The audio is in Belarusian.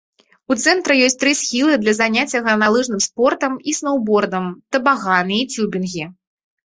У цэнтры ёсць тры схілы для заняцця гарналыжным спортам і сноўбордам, табаганы і цюбінгі.